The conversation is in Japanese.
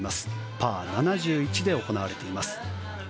パー７１で行われています。